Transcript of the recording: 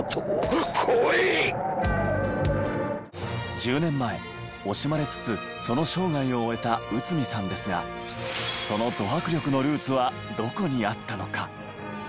１０年前惜しまれつつその生涯を終えた内海さんですがそのド迫力のルーツはどこにあったのか？